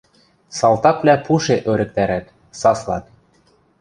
Салтаквлӓ пуше ӧрӹктӓрӓт, саслат.